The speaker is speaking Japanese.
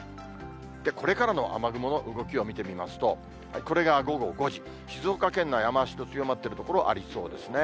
これからの雨雲の動きを見てみますと、これが午後５時、静岡県内、雨足の強まっている所ありそうですね。